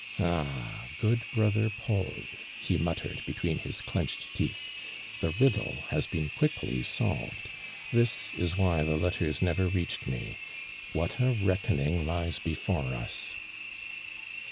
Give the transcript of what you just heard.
•'Ah, good brother Paul !'' he muttered, between his clenched teeth. "The riddle lias been quickly solved. This is why the letters never reached me ! What a reckon ing lies before us!"